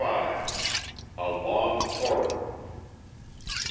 V. A LONG HORROR.